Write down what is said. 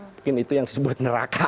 mungkin itu yang disebut neraka